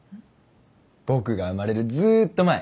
僕が生まれるずっと前。